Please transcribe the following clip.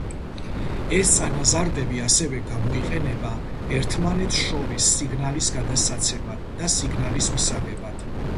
ეს წანაზარდები ასევე გამოიყენება ერთმანეთს შორის სიგნალის გადასაცემად და სიგნალის მისაღებად.